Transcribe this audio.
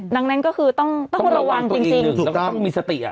ดังนั้นก็คือต้องระวังจริงต้องมีสติ